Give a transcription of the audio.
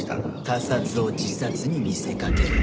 他殺を自殺に見せかけるため。